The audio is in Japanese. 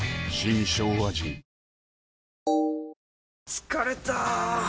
疲れた！